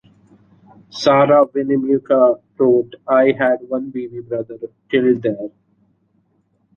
Sarah Winnemucca wrote I had one baby brother killed there.